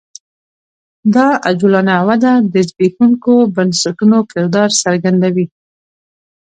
دا عجولانه وده د زبېښونکو بنسټونو کردار څرګندوي